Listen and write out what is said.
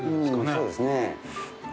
うん、そうですね。